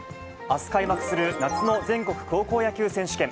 あす開幕する夏の全国高校野球選手権。